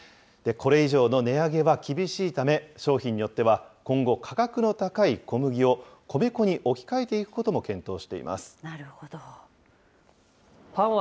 これ以上の値上げは厳しいため、商品によっては、今後、価格の高い小麦を米粉に置き換えていくこなるほど。